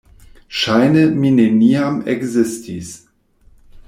Ŝajne mi neniam ekzistis.